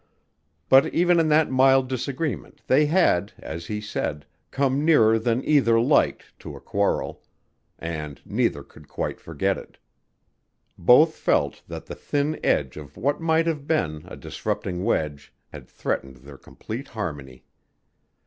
But even in that mild disagreement they had, as he said, come nearer than either liked to a quarrel and neither could quite forget it. Both felt that the thin edge of what might have been a disrupting wedge had threatened their complete harmony.